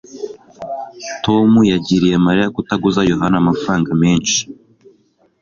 tom yagiriye mariya kutaguza yohana amafaranga menshi